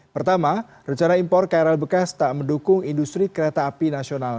pertama rencana impor krl bekas tak mendukung industri kereta api nasional